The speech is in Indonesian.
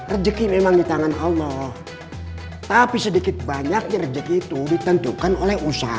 rezeki memang di tangan allah tapi sedikit banyaknya rezeki itu ditentukan oleh usaha